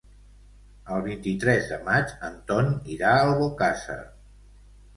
El vint-i-tres de maig en Ton irà a Albocàsser.